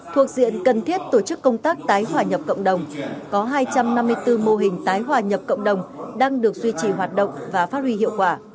thuộc diện cần thiết tổ chức công tác tái hòa nhập cộng đồng có hai trăm năm mươi bốn mô hình tái hòa nhập cộng đồng đang được duy trì hoạt động và phát huy hiệu quả